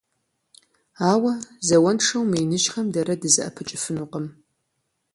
Ауэ, зауэншэу мы иныжьхэм дэрэ дызэӀэпыкӀыфынукъым.